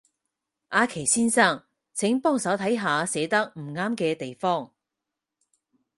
阿祁先生，請幫手睇下寫得唔啱嘅地方